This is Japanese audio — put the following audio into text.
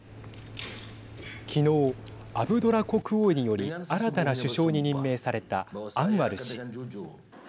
昨日、アブドラ国王により新たな首相に任命されたアンワル氏。